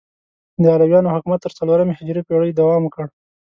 د علویانو حکومت تر څلورمې هجري پیړۍ دوام وکړ.